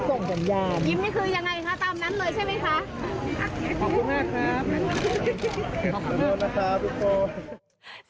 ขอโทษนะคะทุกคน